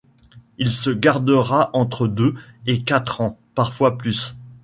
Il se gardera entre deux et quatre ans, parfois plus.